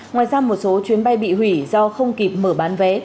ngoài ra một số chuyến bay bị hủy do không kịp mở bán vé